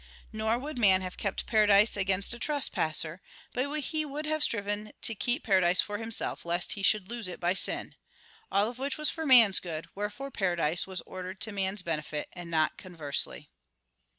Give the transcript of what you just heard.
Nor would man have kept paradise against a trespasser; but he would have striven to keep paradise for himself lest he should lose it by sin. All of which was for man's good; wherefore paradise was ordered to man's benefit, and not conversely.